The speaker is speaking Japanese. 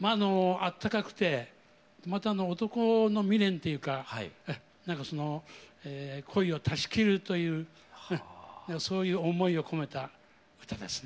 あったかくてまた男の未練っていうか何かその恋を断ち切るというそういう思いを込めた歌ですね。